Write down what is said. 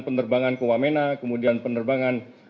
penerbangan ke wamena kemudian penerbangan